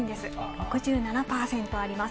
６７％あります。